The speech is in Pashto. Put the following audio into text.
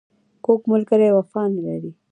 کوږ ملګری وفا نه لري